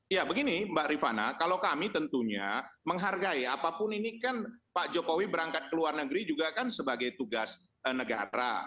ya begini mbak rifana kalau kami tentunya menghargai apapun ini kan pak jokowi berangkat ke luar negeri juga kan sebagai tugas negara